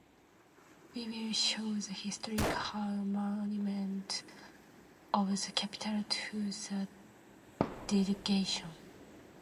We will show the historical monuments of the capital to the delegation.